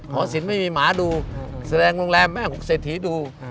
สินไม่มีหมาดูแสดงโรงแรมแม่ของเศรษฐีดู